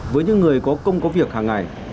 với những người có công có việc hàng ngày